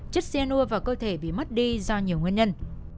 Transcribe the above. chất xenua vào cơ thể bị mất đi do nhiều nguyên nhân